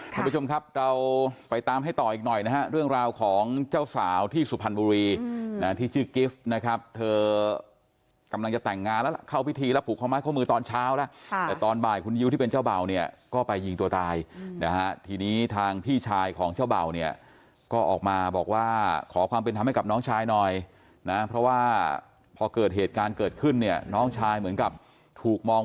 ค่ะคุณผู้ชมครับเราไปตามให้ต่ออีกหน่อยนะฮะเรื่องราวของเจ้าสาวที่สุพรรณบุรีนะที่ชื่อกิฟต์นะครับเธอกำลังจะแต่งงานแล้วเข้าพิธีแล้วผูกของม้าข้อมือตอนเช้าแล้วแต่ตอนบ่ายคุณยิวที่เป็นเจ้าเบ่าเนี่ยก็ไปยิงตัวตายนะฮะทีนี้ทางพี่ชายของเจ้าเบ่าเนี่ยก็ออกมาบอกว่าขอความเป็นธรรมให้กับน